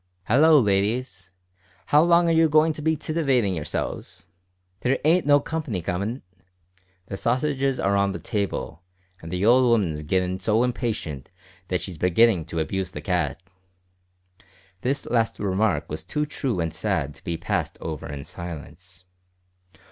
"Hallo, ladies! how long are you goin' to be titivatin' yourselves? There ain't no company comin'. The sausages are on the table, and the old 'ooman's gittin' so impatient that she's beginnin' to abuse the cat." This last remark was too true and sad to be passed over in silence.